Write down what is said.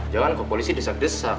jangan ke polisi desak desak